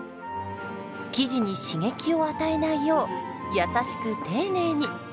生地に刺激を与えないよう優しく丁寧に。